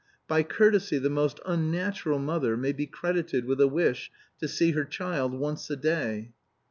By courtesy the most unnatural mother may be credited with a wish to see her child once a day.